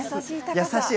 優しい。